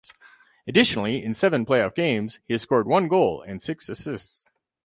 Additionally, in seven playoff games, he scored one goal and six assists.